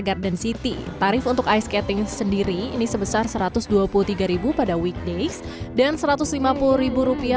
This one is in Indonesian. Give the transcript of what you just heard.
garden city tarif untuk ice skating sendiri ini sebesar satu ratus dua puluh tiga pada weekdays dan satu ratus lima puluh rupiah